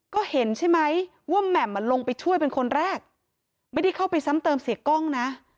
ก็เห็นใช่ไหมว่าแหม่มลงไปช่วยเป็นคนแรกไม่ได้เข้าไปซ้ำเติมเสียกล้องนะ